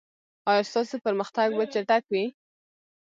ایا ستاسو پرمختګ به چټک وي؟